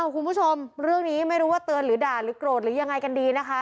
คุณผู้ชมเรื่องนี้ไม่รู้ว่าเตือนหรือด่าหรือโกรธหรือยังไงกันดีนะคะ